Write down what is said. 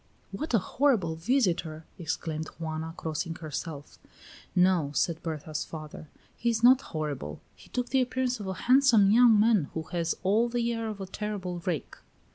"What a horrible visitor!" exclaimed Juana, crossing herself. "No," said Berta's father, "he is not horrible; he took the appearance of a handsome young man who has all the air of a terrible rake."